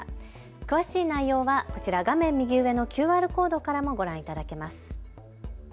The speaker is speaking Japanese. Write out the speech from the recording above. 詳しい内容はこちら、画面右上のＱＲコードからもご覧いただけます。